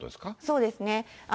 そうですね。